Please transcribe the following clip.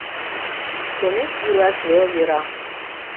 Чонет йӱлаш вел йӧра;